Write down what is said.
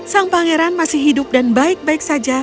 sang pangeran masih hidup dan baik baik saja